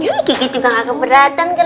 iya kiki juga gak keberatan kalo gendong dia